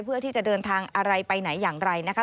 เพื่อที่จะเดินทางอะไรไปไหนอย่างไรนะคะ